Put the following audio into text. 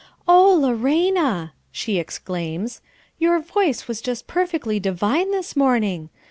"Oh, Lorena!" she exclaims, "your voice was just perfectly divine this morning.